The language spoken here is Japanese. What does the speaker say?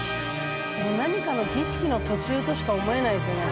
何かの儀式の途中としか思えないですよね